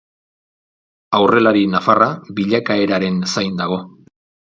Aurrelari nafarra bilakaeraren zain dago.